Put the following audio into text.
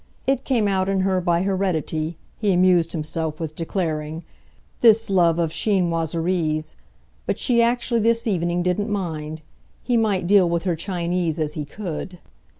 It came out in her by heredity, he amused himself with declaring, this love of chinoiseries; but she actually this evening didn't mind he might deal with her Chinese as he could.